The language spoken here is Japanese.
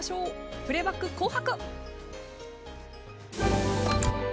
プレーバック「紅白」。